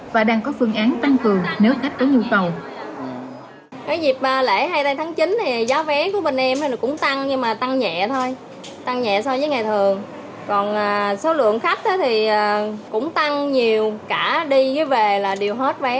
và đang có phương án tăng cường nếu khách có nhu cầu